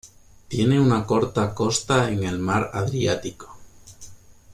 Tiene una corta costa en el Mar Adriático.